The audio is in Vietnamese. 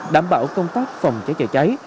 đảm bảo công tác phòng cháy cháy